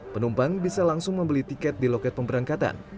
penumpang bisa langsung membeli tiket di loket pemberangkatan